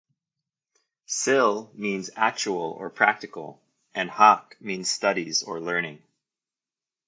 "Sil" means "actual" or "practical," and "hak" means "studies" or "learning.